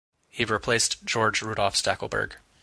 He replaced Georg Rudolf Stackelberg.